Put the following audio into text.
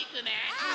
うん！